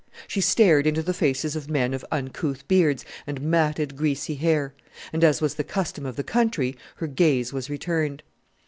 She stared into the faces of men of uncouth beards and matted greasy hair; and, as was the custom of the country, her gaze was returned.